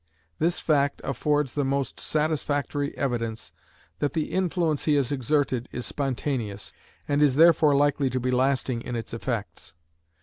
This fact affords the most satisfactory evidence that the influence he has exerted is spontaneous, and is therefore likely to be lasting in its effects.